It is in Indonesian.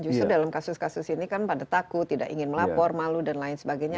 justru dalam kasus kasus ini kan pada takut tidak ingin melapor malu dan lain sebagainya